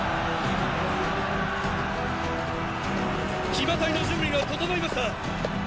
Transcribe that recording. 騎馬隊の準備が整いました！